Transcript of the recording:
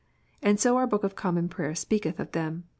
And so our book of Common Prayer speaketh of them."